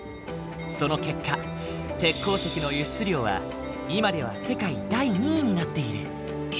その結果鉄鉱石の輸出量は今では世界第２位になっている。